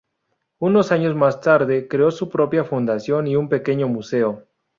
Unos años más tarde, creó su propia fundición y un pequeño museo.